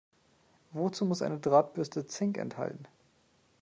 Wozu muss eine Drahtbürste Zink enthalten?